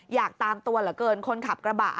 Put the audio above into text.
อยากตามตัวเหลือเกินคนขับกระบะ